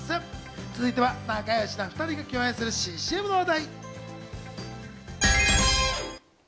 続いては仲よしな２人が共演する新ＣＭの話題。